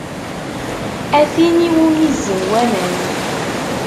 A tin iwumi zzin waman.